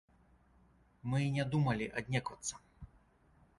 Мы і не думалі аднеквацца.